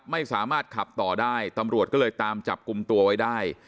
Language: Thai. ไม่สามารถขับต่อได้ตำรวจก็เลยตามจับกลุ่มตัวไว้ได้